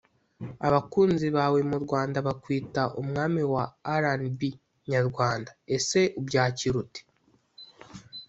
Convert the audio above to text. Abakunzi bawe mu Rwanda bakwita Umwami wa R’N’B nyarwanda ese ubyakira ute